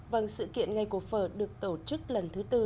vâng sự kiện ngày của phở được tổ chức lần thứ tư